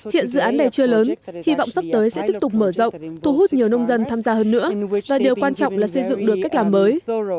hiện dự án này chưa lớn hy vọng sắp tới sẽ tiếp tục mở rộng thu hút nhiều nông dân tham gia hơn nữa và điều quan trọng là xây dựng được cách làm mới